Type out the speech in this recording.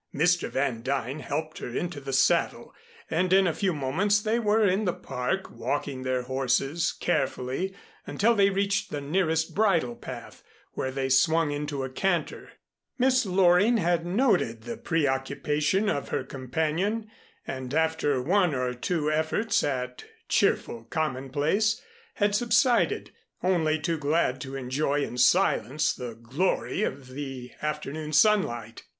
Mr. Van Duyn helped her into the saddle, and in a few moments they were in the Park walking their horses carefully until they reached the nearest bridle path, when they swung into a canter. Miss Loring had noted the preoccupation of her companion, and after one or two efforts at cheerful commonplace, had subsided, only too glad to enjoy in silence the glory of the afternoon sunlight.